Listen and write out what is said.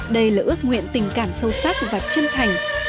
đây là ước nguyện tình cảm sâu sắc và chân thành trong con người bắc